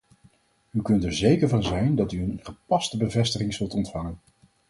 U kunt er zeker van zijn dat u een gepaste bevestiging zult ontvangen.